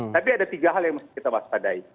tapi ada tiga hal yang mesti kita waspadai